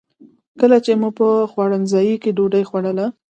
کله چې مو په خوړنځای کې ډوډۍ خوړله.